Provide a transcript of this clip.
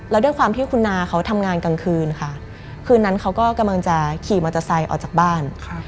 แล้วด้วยความที่คุณนาเขาทำงานกลางคืนค่ะคืนนั้นเขาก็กำลังจะขี่มอเตอร์ไซค์ออกจากบ้าน